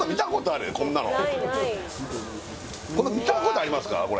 見たことありますか？